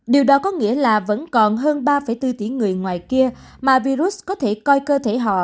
điều đó có nghĩa là vẫn còn hơn ba bốn tỷ người ngoài kia mà virus có thể coi cơ thể họ